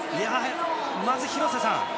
まず廣瀬さん